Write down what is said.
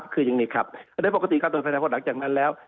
คืออย่างนี้ครับปกติการตรวจภายในพรอดหลังจากนั้นแล้ว